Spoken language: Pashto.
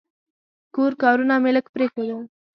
کور کارونه مې لږ پرېښودل.